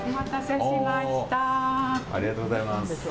ありがとうございます。